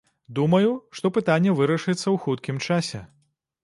Думаю, што пытанне вырашыцца ў хуткім часе.